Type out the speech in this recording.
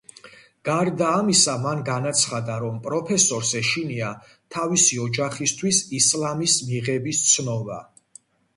გარდა ამისა, მან განაცხადა, რომ პროფესორს „ეშინია“ თავისი ოჯახისთვის ისლამის მიღების ცნობა.